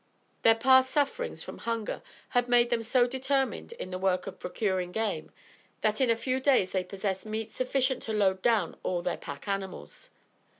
Their past sufferings from hunger had made them so determined in the work of procuring game, that in a few days they possessed meat sufficient to load down all their pack animals.